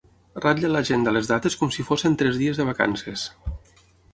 Ratlla a l'agenda les dates com si fossin tres dies de vacances.